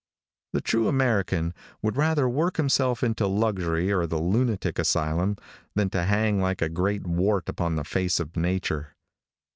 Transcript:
The true American would rather work himself into luxury or the lunatic asylum than to hang like a great wart upon the face of nature.